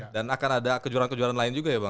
dan akan ada kejuaraan kejuaraan lain juga ya bang